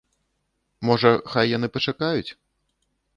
Можа, хай яны пачакаюць?